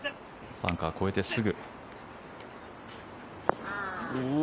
バンカーを越えてすぐ。